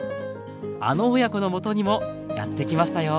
あの親子のもとにもやって来ましたよ。